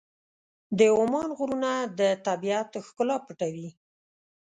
د عمان غرونه د طبیعت ښکلا پټوي.